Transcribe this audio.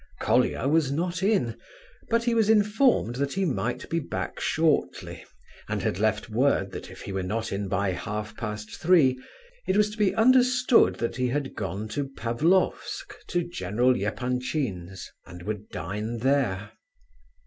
Colia was not in, but he was informed that he might be back shortly, and had left word that if he were not in by half past three it was to be understood that he had gone to Pavlofsk to General Epanchin's, and would dine there.